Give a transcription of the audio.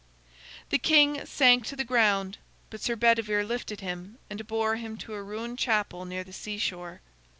The king sank to the ground, but Sir Bedivere lifted him, and bore him to a ruined chapel near the seashore.